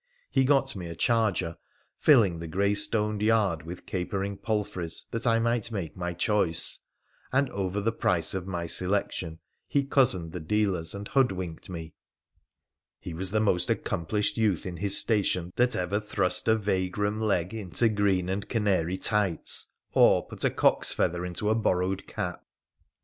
He got me a charger — filling the grey stoned yard with capering palfreys that I might make my choice — and over the price of my selection he cozened the dealers and hoodwinked me. He was the most accomplished youth in his station that «yer thrust a vagrom leg into green and canary tights, or put 140 WONDERFUL ADVENTURES OF a cock's feather into a borrowed cap.